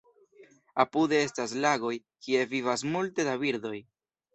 Apude estas lagoj, kie vivas multe da birdoj.